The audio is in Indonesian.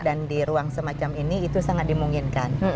dan di ruang semacam ini itu sangat dimungkinkan